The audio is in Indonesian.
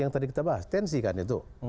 yang tadi kita bahas tensi kan itu